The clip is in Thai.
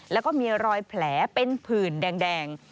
แล้วก็มีรอยแผลเป็นผื่นแดง